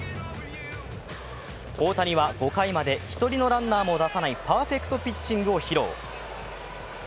大谷は５回まで１人のランナーも出さないパーフェクトピッチングを披露。